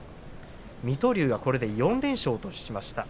水戸龍はこれで４連勝としました。